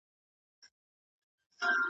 چي په اهاړ کي مي سوځلي وي د پلونو نښي ,